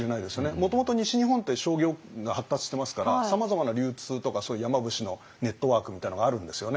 もともと西日本って商業が発達してますからさまざまな流通とかそういう山伏のネットワークみたいなのがあるんですよね。